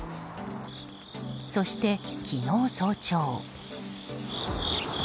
そして昨日早朝。